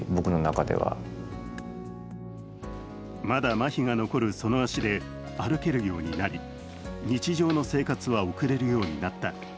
まだまひが残るその足で歩けるようになり、日常の生活は送れるようになった。